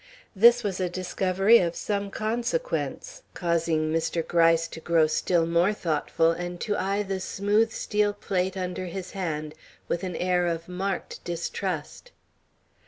This was a discovery of some consequence, causing Mr. Gryce to grow still more thoughtful and to eye the smooth steel plate under his hand with an air of marked distrust.